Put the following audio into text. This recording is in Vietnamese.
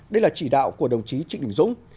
đây là chỉ đạo của đồng chí trịnh đình dũng